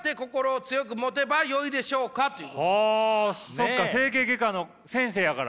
そっか整形外科の先生やから。